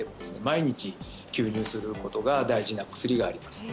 毎日吸入することが大事な薬があります